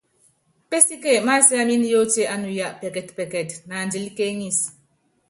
Pésíke masiámin yóotié ánuya pɛkɛtpɛkɛt naandilíkéeŋisí.